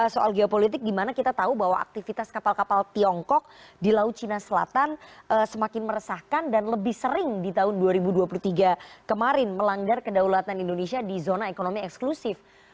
soal geopolitik dimana kita tahu bahwa aktivitas kapal kapal tiongkok di laut cina selatan semakin meresahkan dan lebih sering di tahun dua ribu dua puluh tiga kemarin melanggar kedaulatan indonesia di zona ekonomi eksklusif